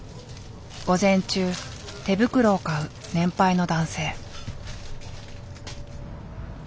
午前中手袋を買う年配の男性。